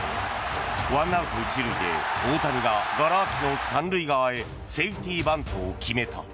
ワンアウト１塁で大谷が、がら空きの３塁側へセーフティーバントを決めた。